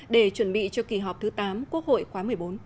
để chuẩn bị cho kỳ họp thứ tám quốc hội khóa một mươi bốn